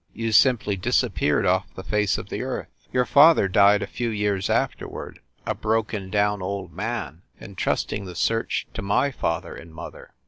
You simply disappeared off the face of the earth. Your father died a few years afterward, a broken down old man, entrusting the search to my father and mother.